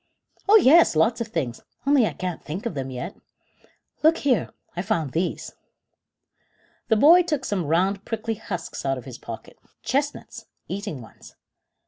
"Oh yes, lots of things, only I can't think of them yet. Look here, I found these." The boy took some round prickly husks out of his pocket. "Chestnuts eating ones."